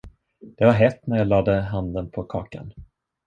Det var hett när jag lade handen på kakan.